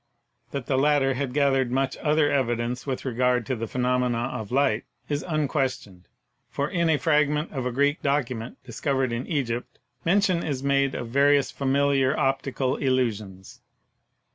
That the latter had gathered much other evidence with regard to the phenomena of light is unquestioned, for in a fragment of a Greek document discovered in Egypt mention is made of various familiar optical illusions.